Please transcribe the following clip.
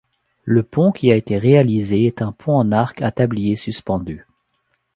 Le pont qui a été réalisé est un pont en arc à tablier suspendu.